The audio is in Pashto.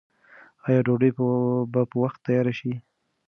آیا ډوډۍ به په وخت تیاره شي؟